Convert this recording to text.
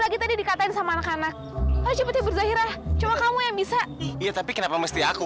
lagi tadi dikatakan sama anak anak cepet berjaya cuma kamu yang bisa iya tapi kenapa mesti aku